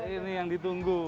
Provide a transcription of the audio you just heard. ini yang ditunggu